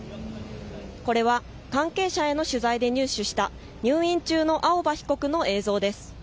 これは関係者への取材で入手した入院中の青葉被告の映像です。